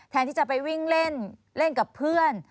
ที่จะไปวิ่งเล่นเล่นกับเพื่อน